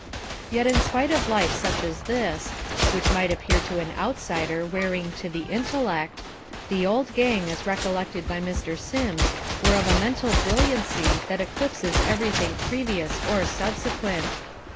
Yet in spite of life such as this, which might appear to an outsider wearing to the intellect, the "old gang" as recollected by Mr. Sims were of a mental brilliancy that eclipses everything previous or subsequent.